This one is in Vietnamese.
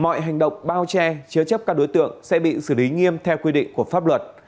mọi hành động bao che chứa chấp các đối tượng sẽ bị xử lý nghiêm theo quy định của pháp luật